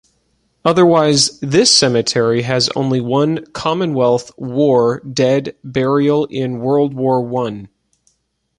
Otherwise, this cemetery has only one Commonwealth War Dead burial in World War One.